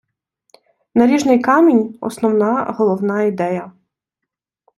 Наріжний камінь - основа, головна ідея